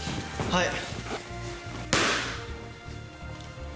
はい。